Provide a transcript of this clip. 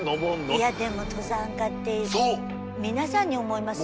いやでも登山家って皆さんに思います。